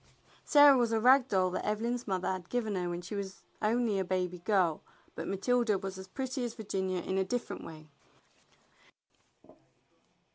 Sarah was a rag doll that Evelyn's mother had given her when she was only a baby girl, but Matilda was as pretty as Virginia in a different way.